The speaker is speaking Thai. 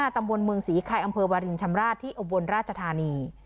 ตำบลเมืองศรีไข่อำเภอวารินชำราบที่อุบลราชธานี